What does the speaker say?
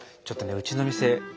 ちょっとねうちの店